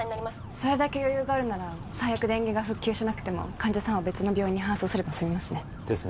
それだけ余裕があるなら最悪電源が復旧しなくても患者さんを別の病院に搬送すれば済みますねですね